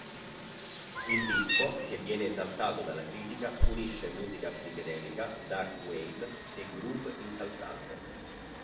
Il disco, che viene esaltato dalla critica, unisce musica psichedelica, darkwave e groove incalzante.